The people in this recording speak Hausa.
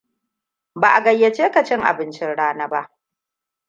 Ba a gayyace ka cin abincin rana ba.